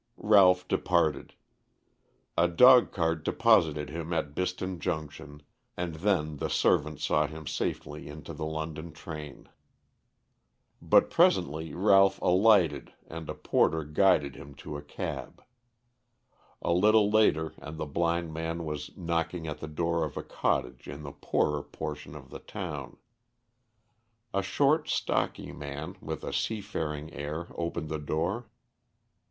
Ralph departed. A dogcart deposited him at Biston Junction, and then the servant saw him safely into the London train. But presently Ralph alighted and a porter guided him to a cab. A little later and the blind man was knocking at the door of a cottage in the poorer portion of the town. A short, stocky man, with a seafaring air, opened the door.